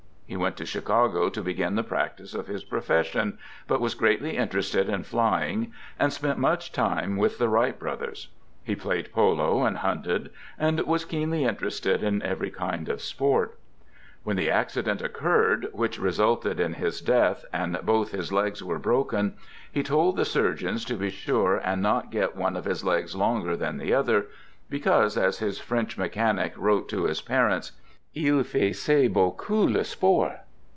He went to Chicago to begin the practice of his profession, but was greatly interested in flying and spent much time with the Wright Brothers. He played polo and hunted and was keenly interested in every kind of sport. When THE GOOD SOLDIER" 91 the accident occurred, which resulted in his death, and both his legs were broken, he told the surgeons to be sure and not get one of his legs longer than the other, because, as his French mechanic wrote to his parents, " il faisait beaucoup le sport."